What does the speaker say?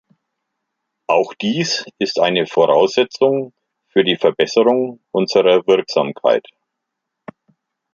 Auch dies ist eine Voraussetzung für die Verbesserung unserer Wirksamkeit.